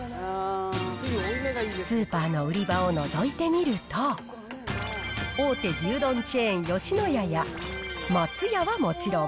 スーパーの売り場をのぞいてみると、大手牛丼チェーン、吉野家や、松屋はもちろん、